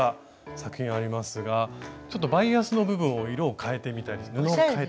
作品ありますがちょっとバイアスの部分を色を変えてみたり布を変えて。